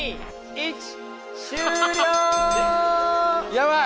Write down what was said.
やばい！